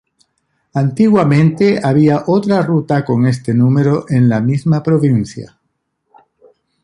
Antiguamente había otra ruta con este número en la misma provincia.